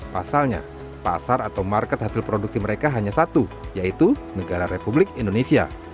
pasalnya pasar atau market hasil produksi mereka hanya satu yaitu negara republik indonesia